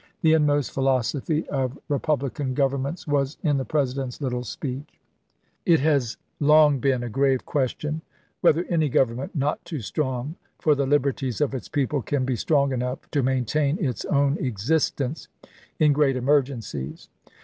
The inmost philosophy of republi 380 ABRAHAM LINCOLN chap. xvi. can governments was in the President's little speech. He said : It has long been a grave question whetner any Govern ment not too strong for the liberties of its people can be strong enough to maintain its own existence in great emer gencies.